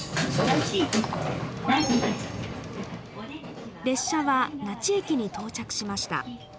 列車は那智駅に到着しました。